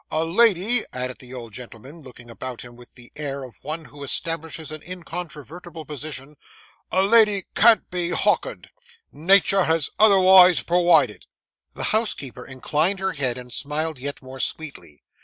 A lady,' added the old gentleman, looking about him with the air of one who establishes an incontrovertible position,—'a lady can't be hock'erd. Natur' has otherwise purwided.' The housekeeper inclined her head and smiled yet more sweetly.